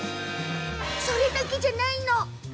それだけではないの。